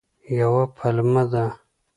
یوه پلمه ده.